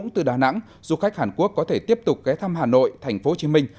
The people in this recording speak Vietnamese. từ đà nẵng du khách hàn quốc có thể tiếp tục ghé thăm hà nội thành phố hồ chí minh